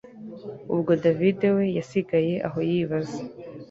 ubwo david we yasigaye aho yibaza